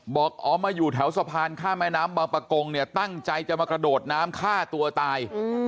บอกอ๋อมาอยู่แถวสะพานข้ามแม่น้ำบางประกงเนี่ยตั้งใจจะมากระโดดน้ำฆ่าตัวตาย